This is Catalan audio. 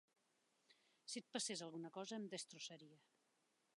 Si et passés alguna cosa, em destrossaria.